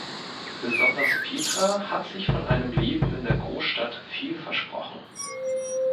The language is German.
Besonders Petra hat sich von einem Leben in der Großstadt viel versprochen.